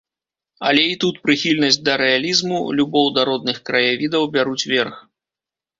Але і тут прыхільнасць да рэалізму, любоў да родных краявідаў бяруць верх.